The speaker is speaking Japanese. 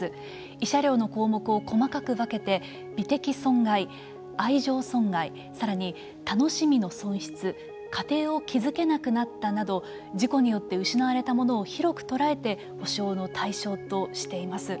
慰謝料の項目を細かく分けて美的損害、愛情損害さらに楽しみの損失家庭を築けなくなったなど事故によって失われたものを広く捉えて補償の対象としています。